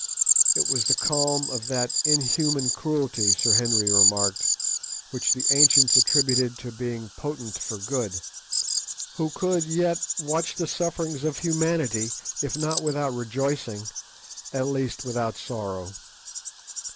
It was the calm of that inhuman cruelty, Sir Henry remarked, which the ancients attributed to beings potent for good, who could yet watch the sufferings of humanity, if not without rejoicing, at least without sorrow.